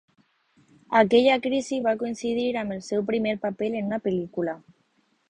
Aquella crisi va coincidir amb el seu primer paper en una pel·lícula.